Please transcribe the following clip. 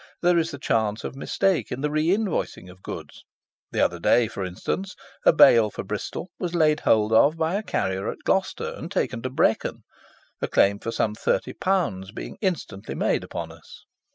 There is the chance of mistake in the re invoicing of goods; the other day, for instance, a bale for Bristol was laid hold of by a carrier at Gloucester and taken to Brecon, a claim for some 30_l._ being instantly made upon us.